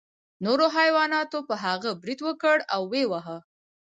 نورو حیواناتو په هغه برید وکړ او ویې واهه.